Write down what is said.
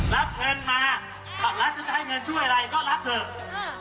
รับเงินมาพักษ์รับจะให้เงินช่วยอะไรก็รับเฉย